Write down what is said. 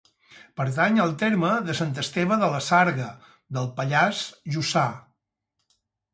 Pertany al terme de Sant Esteve de la Sarga, del Pallars Jussà.